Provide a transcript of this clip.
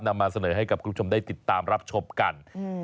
นำมาเสนอให้กับคุณผู้ชมได้ติดตามรับชมกัน